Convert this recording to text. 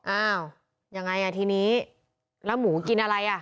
อ้าวยังไงอ่ะทีนี้แล้วหมูกินอะไรอ่ะ